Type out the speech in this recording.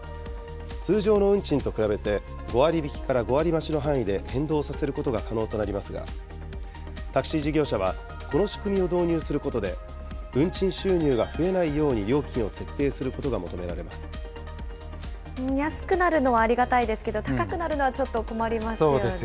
通常の運賃と比べて５割引きから５割増しの範囲で変動させることが可能となりますが、タクシー事業者はこの仕組みを導入することで、運賃収入が増えないように料安くなるのはありがたいですけど、高くなるのはちょっと困りますよね。